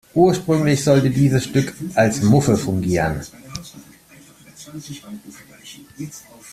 Ursprünglich sollte dieses Stück als Muffe fungieren.